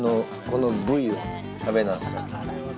この部位を食べなさい。